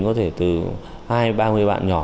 có thể từ hai ba mươi bạn nhỏ